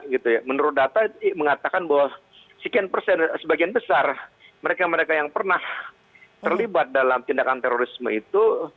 gitu ya menurut data mengatakan bahwa sekian persen sebagian besar mereka mereka yang pernah terlibat dalam tindakan terorisme itu